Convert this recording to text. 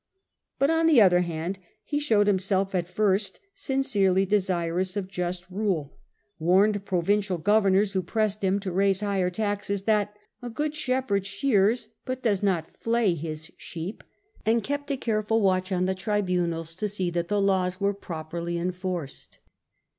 But, on the other hand, he showed himself at first sincerely ^^ desirous of just rule, warned provincial gover anxious to nors who pressed him to raise higher taxes ^^ovcrn well. good shepherd shears but does not flay his sheep,' and kept a careful watch on the tribunals to see that the laws were properly enforced.